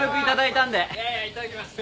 いただきます。